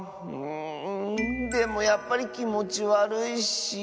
うんでもやっぱりきもちわるいし。